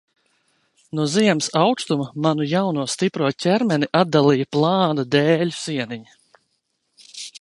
No ziemas aukstuma manu jauno, stipro ķermeni atdalīja plāna dēļu sieniņa.